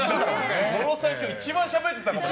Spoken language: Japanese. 野呂さん、今日一番しゃべってたもん。